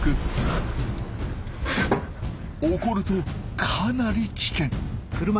怒るとかなり危険。